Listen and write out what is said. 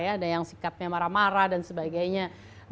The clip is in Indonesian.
ada yang sikapnya marah marah dan sebagainya